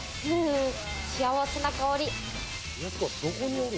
幸せな香り。